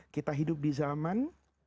kita hidup di zaman